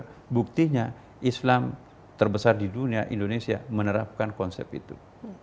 karena buktinya islam terbesar di dunia indonesia menerapkan konsep itu